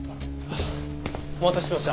お待たせしました。